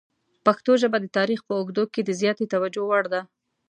پښتو ژبه د تاریخ په اوږدو کې د زیاتې توجه وړ ده.